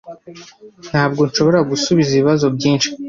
Ntabwo nshobora gusubiza ibibazo byinshi